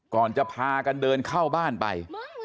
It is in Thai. ก่อนจะพากันเดินเข้าบ้านไป